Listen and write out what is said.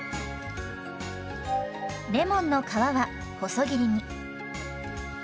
レモンの皮は細切りに。